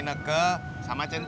mereka berada di sana